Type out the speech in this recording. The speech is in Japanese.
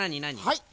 はい。